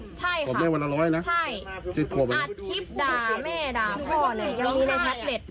ใช่ค่ะพ่อแม่วันละร้อยนะใช่อาทิตย์ดาแม่ดาพ่อเนี้ยยังมีในแพทย์เน็ต